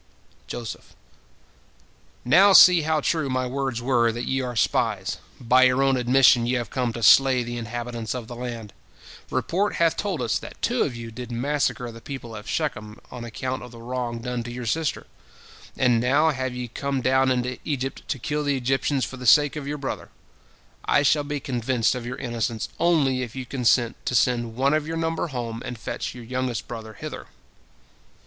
Joseph: "Now see how true my words were, that ye are spies. By your own admission ye have come to slay the inhabitants of the land. Report hath told us that two of you did massacre the people of Shechem on account of the wrong done to your sister, and now have ye come down into Egypt to kill the Egyptians for the sake of your brother. I shall be convinced of your innocence only if you consent to send one of your number home and fetch your youngest brother hither."